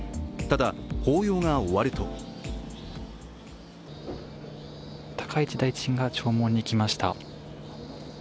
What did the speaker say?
ただ、法要が終わると高市大臣が弔問に来ました。